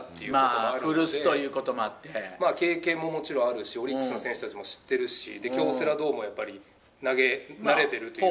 まあ、古巣ということもあっ経験ももちろんあるし、オリックスの選手たちも知ってるし、京セラドームもやっぱり、投げ慣れてるというか。